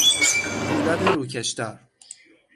پولاد روکشدار